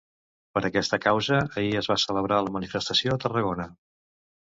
Per aquesta causa ahir es va celebrar la manifestació a Tarragona.